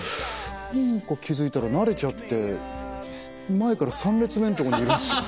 何か気付いたら慣れちゃって前から３列目のとこにいるんですよ。